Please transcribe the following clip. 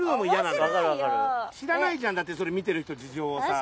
らないじゃんだってそれ見てる人事情はさあ。